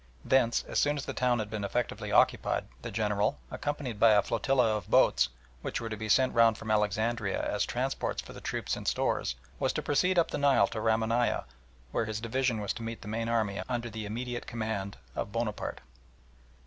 Thence as soon as the town had been effectively occupied the General, accompanied by a flotilla of boats, which were to be sent round from Alexandria as transports for the troops and stores, was to proceed up the Nile to Ramanieh, where his division was to meet the main army under the immediate command of Bonaparte.